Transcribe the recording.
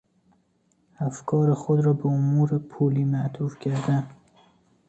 افکار خود را به امور پولی معطوف کردن